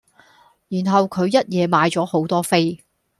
然後佢一野買左好多飛